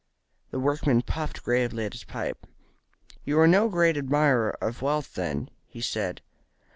The workman puffed gravely at his pipe. "You are no great admirer of wealth, then?" he said.